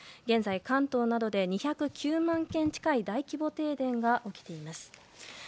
現在、関東などで２０９万軒近い大規模停電が起きています。